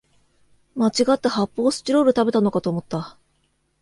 まちがって発泡スチロール食べたのかと思った